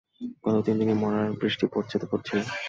গত তিন দিন এই মরার বৃষ্টি পড়ছে তো পড়ছেই!